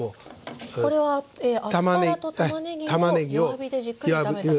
これはアスパラとたまねぎを弱火でじっくり炒めたもの。